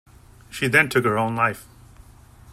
She then took her own life.